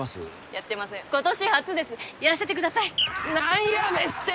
やってません今年初ですやらせてください何やフェスって！